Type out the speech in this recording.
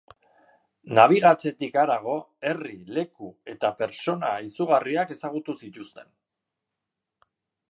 Nabigatzetik harago, herri, leku eta pertsona izugarriak ezagutu zituzten.